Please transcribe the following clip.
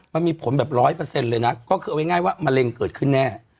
มันมีผลแบบร้อยเปอร์เซ็นต์เลยนะก็คือเอาง่ายว่ามะเร็งเกิดขึ้นแน่